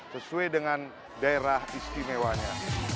sesuai dengan daerah istimewanya